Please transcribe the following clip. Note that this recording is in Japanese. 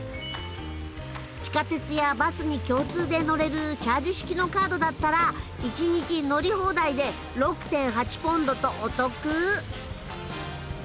地下鉄やバスに共通で乗れるチャージ式のカードだったら１日乗り放題で６．８ポンドとお得！